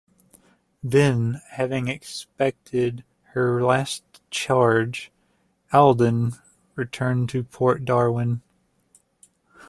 Then, having expended her last charge, "Alden" returned to Port Darwin.